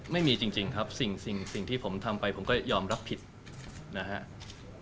ไม่มีจริงครับสิ่งที่ผมทำไปผมก็ยอมรับผิดนะครับ